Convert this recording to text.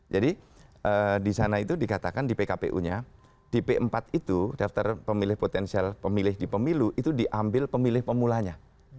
di sana itu dikatakan di pkpu nya dp empat itu daftar pemilih potensial pemilih di pemilu itu diambil pemilih pemulanya